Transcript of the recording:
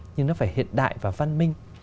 nhưng nó phải hiện đại và văn minh